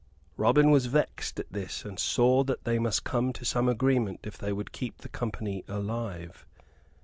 Robin was vexed at this, and saw that they must come to some agreement if they would keep the company alive.